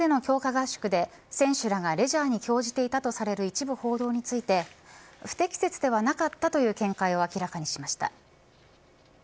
合宿で選手らがレジャーに興じていたとされる一部報道について不適切ではなかったという見解を明らかにしました。